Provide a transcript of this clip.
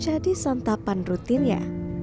jadi santapan rutinnya